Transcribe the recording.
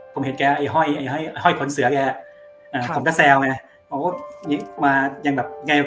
ผมเห็นแกไอ้ห้อยคนเสือแกผมก็แซวไง